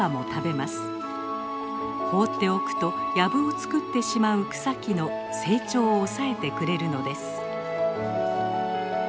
放っておくと藪を作ってしまう草木の成長を抑えてくれるのです。